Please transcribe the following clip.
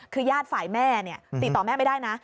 คือญาติฝ่ายแม่ติดต่อแม่ไม่ได้นะ